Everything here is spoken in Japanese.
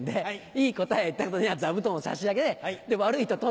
いい答えを言った方には座布団を差し上げ悪いと取って。